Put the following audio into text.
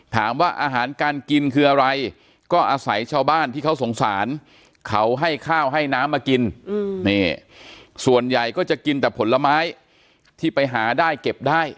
ถามว่าอาหารการกินคืออะไรก็อาศัยชาวบ้านที่เขาสงสารเขาให้ข้าวให้น้ำมากินนี่ส่วนใหญ่ก็จะกินแต่ผลไม้ที่ไปหาได้เก็บได้